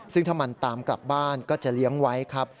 ซึ่งถ้ามันตามกลับบ้านก็จะเลี้ยงไว้ครับ